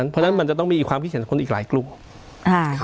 เพราะฉะนั้นมันจะต้องมีความที่เขียนใจจากคนอีกหลายกลุ่ม